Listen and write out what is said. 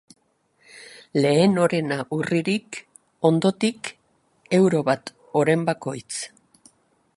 Lehen orena urririk, ondotik euro bat oren bakoitz.